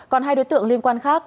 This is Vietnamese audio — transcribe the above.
còn hai đối tượng liên quan khác